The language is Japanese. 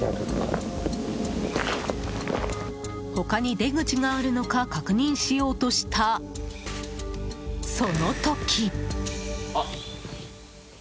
他に出口があるのか確認しようとした、その時。